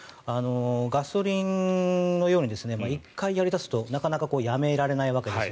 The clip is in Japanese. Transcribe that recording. ガソリンのように１回やり出すとなかなかやめられないわけです。